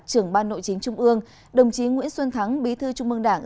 trưởng ban nội chính trung ương đồng chí nguyễn xuân thắng bí thư trung mương đảng